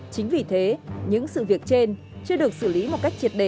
chính vì thế những sự việc trên chưa được xử lý một cách triệt đề